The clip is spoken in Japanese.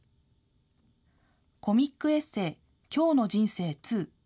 コミックエッセイ、今日の人生２。